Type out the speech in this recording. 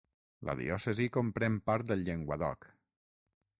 La diòcesi comprèn part del Llenguadoc.